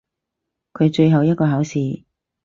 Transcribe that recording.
佢最後一個考試！